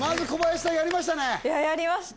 やりました！